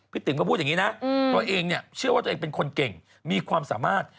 ติ๋มก็พูดอย่างนี้นะตัวเองเนี่ยเชื่อว่าตัวเองเป็นคนเก่งมีความสามารถ